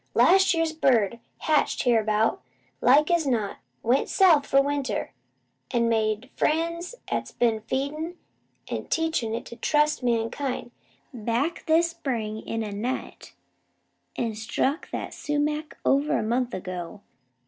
Last year's bird, hatched hereabout, like as not. Went South for winter, an' made friends 'at's been feedin', an' teachin' it to TRUST mankind. Back this spring in a night, an' struck that sumac over a month ago.